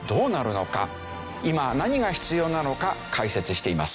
今何が必要なのか解説しています。